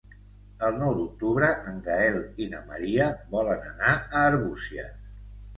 El nou d'octubre en Gaël i na Maria volen anar a Arbúcies.